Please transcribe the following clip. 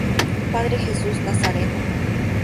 Padre Jesús Nazareno.